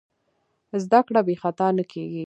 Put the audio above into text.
زدهکړه بېخطا نه کېږي.